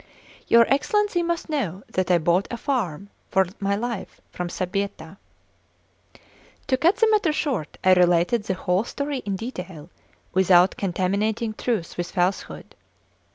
Your Excellency must know that I bought a farm for my life from Sbietta " To cut the matter short, I related the whole story in detail, without contaminating truth with falsehood.